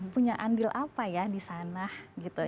punya andil apa ya di sana gitu